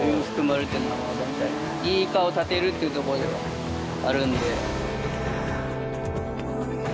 いいイカを立てるっていうところではあるんで。